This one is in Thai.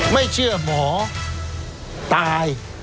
ไม่เชื่อหมอตาย